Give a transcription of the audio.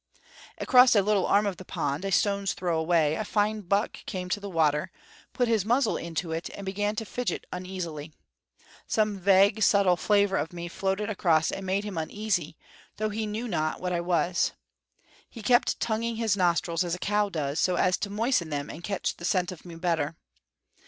Across a little arm of the pond, a stone's throw away, a fine buck came to the water, put his muzzle into it, then began to fidget uneasily. Some vague, subtle flavor of me floated across and made him uneasy, though he knew not what I was. He kept tonguing his nostrils, as a cow does, so as to moisten them and catch the scent of me better.